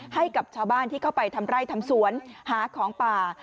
ให้กับชาวบ้านที่เข้าไปทำไร่ทำสวนหาของป่า